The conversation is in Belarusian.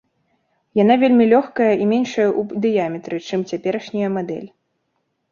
Яна вельмі лёгкая і меншая ў дыяметры, чым цяперашняя мадэль.